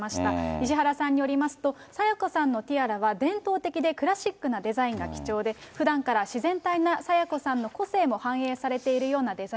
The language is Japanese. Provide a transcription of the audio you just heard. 石原さんによりますと、清子さんのティアラは伝統的で、クラシックなデザインが基調で、ふだんから自然体な清子さんの個性も反映されているようなデザイ